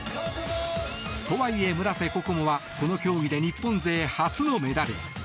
とはいえ村瀬心椛はこの競技で日本勢初のメダル。